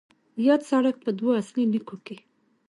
یاد سړک په دوو اصلي لیکو کې